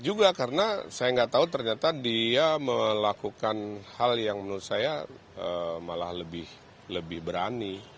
juga karena saya nggak tahu ternyata dia melakukan hal yang menurut saya malah lebih berani